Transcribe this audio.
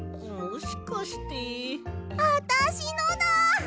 あたしのだ！